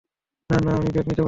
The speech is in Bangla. না, না, আমি ব্যাগ নিতে পারব।